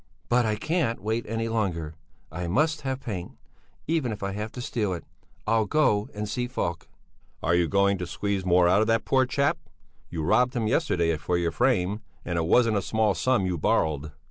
"But I can't wait any longer. I must have paint, even if I have to steal it. I'll go and see Falk." "Are you going to squeeze more out of that poor chap? You robbed him yesterday for your frame. And it wasn't a small sum you borrowed."